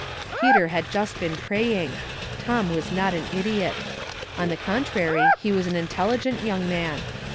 Peter had just been praying. Tom was not an idiot. On the contrary, he was an intelligent young man.